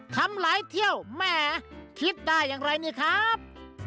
ทำหลายเที่ยวแหมคิดได้อย่างไรนี่ครับ